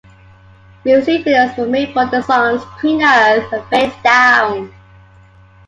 Music videos were made for the songs "Twin Earth" and "Face Down".